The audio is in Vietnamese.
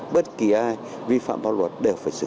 bất kỳ ai vi phạm pháp luật đều phải xử lý